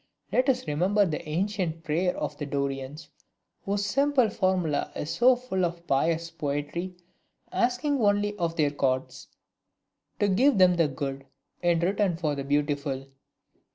Let us remember the ancient prayer of the Dorians whose simple formula is so full of pious poetry, asking only of their gods: "To give them the Good, in return for the Beautiful!"